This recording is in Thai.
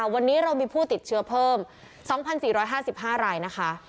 วันนี้เรามีผู้ติดเชื้อเพิ่ม๒๔๕๕รายนะคะ